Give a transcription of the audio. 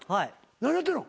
何やってんの？